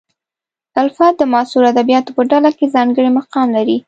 الفت د معاصرو ادیبانو په ډله کې ځانګړی مقام لري.